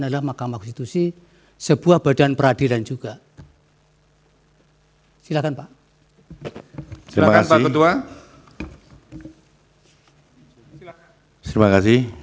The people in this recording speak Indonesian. adalah mahkamah konstitusi sebuah badan peradilan juga silakan pak silakan pak ketua silakan